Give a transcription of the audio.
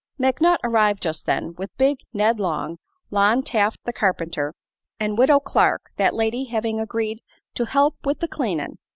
McNutt arrived just then, with big Ned Long, Lon Taft the carpenter, and Widow Clark, that lady having agreed to "help with the cleanin'."